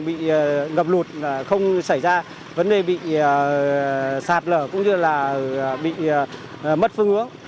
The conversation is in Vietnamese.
bị ngập lụt không xảy ra vấn đề bị sạt lở cũng như là bị mất phương hướng